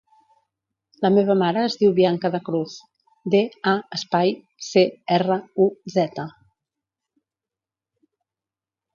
La meva mare es diu Bianca Da Cruz: de, a, espai, ce, erra, u, zeta.